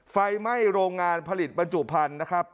ไฟไหม้โรงงานผลิตบรรจุพันธุ์นะครับ